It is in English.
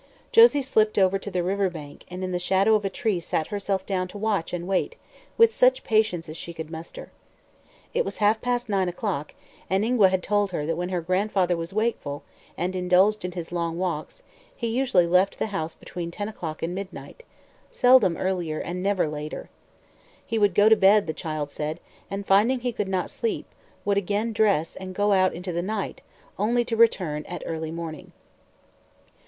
Josie slipped over to the river bank and in the shadow of a tree sat herself down to watch and wait with such patience as she could muster. It was half past nine o'clock, and Ingua had told her that when her grandfather was wakeful, and indulged in his long walks, he usually left the house between ten o'clock and midnight seldom earlier and never later. He would go to bed, the child said, and finding he could not sleep, would again dress and go out into the night, only to return at early morning.